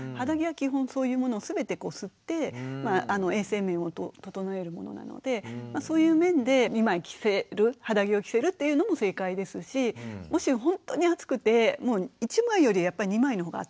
基本そういうものを全て吸って衛生面を整えるものなのでそういう面で２枚着せる肌着を着せるというのも正解ですしもしほんとに暑くて１枚よりやっぱり２枚の方が暑いんですよ。